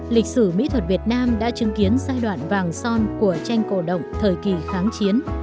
lịch sử mỹ thuật việt nam đã chứng kiến giai đoạn vàng son của tranh cổ động thời kỳ kháng chiến